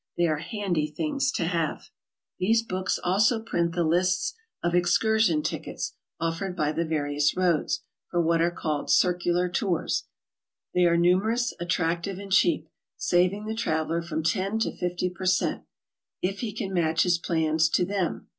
They are handy things to have. HOW TO TRAVEL ABROAD. 67 These books also print the lists of excursion tickets offered by the various roads, — for what are called ''circular tours." They are numerous, attractive, ' and cheap, saving the traveler from 10 to 50 per cent, if he can match his plans to them.